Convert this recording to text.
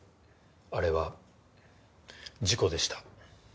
あれは事故でした。